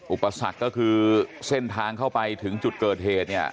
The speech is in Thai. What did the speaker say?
อุปสรรคก็คือเส้นทางเข้าไปถึงจุดเกิดเหตุเนี่ย